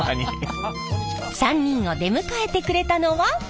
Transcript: ３人を出迎えてくれたのは。